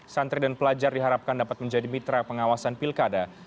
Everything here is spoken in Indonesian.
santri dan pelajar diharapkan dapat menjadi mitra pengawasan pilkada